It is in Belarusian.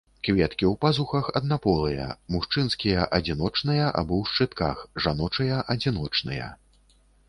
Кветкі ў пазухах, аднаполыя, мужчынскія, адзіночныя або ў шчытках, жаночыя адзіночныя.